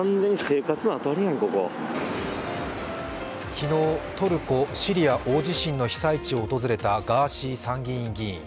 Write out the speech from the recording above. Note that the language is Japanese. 昨日、トルコ・シリア大地震の被災地を訪れたガーシー参議院議員。